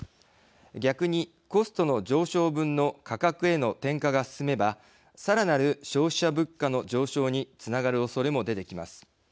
逆に、コストの上昇分の価格への転嫁が進めばさらなる消費者物価の上昇につながるおそれも出てきます。